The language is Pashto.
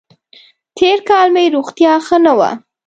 تېر کال مې روغتیا ښه نه وه.